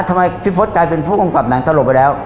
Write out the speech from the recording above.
ทำไมพี่พศกลายเป็นผู้กำกับหนังตลบไปแล้ว